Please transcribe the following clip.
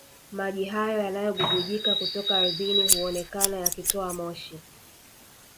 Maji hayo yanayobubujika kutoka ardhini huonekana yakitoa moshi